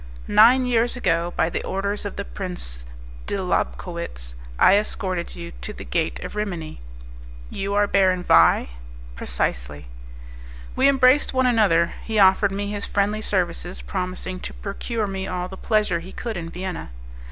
"Nine years ago, by the orders of the Prince de Lobkowitz, I escorted you to the Gate of Rimini." "You are Baron Vais." "Precisely." We embraced one another; he offered me his friendly services, promising to procure me all the pleasure he could in Vienna.